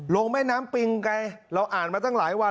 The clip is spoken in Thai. แม่น้ำปิงไงเราอ่านมาตั้งหลายวัน